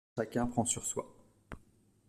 Chacun prend sur soi.